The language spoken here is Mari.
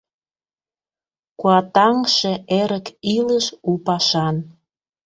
Куатаҥше Эрык илыш — у пашан.